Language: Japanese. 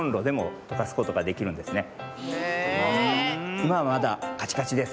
いまはまだカチカチです。